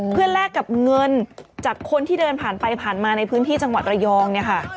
เพื่อแลกกับเงินจากคนที่เดินผ่านไปผ่านมาในพื้นที่จังหวัดระยองเนี่ยค่ะ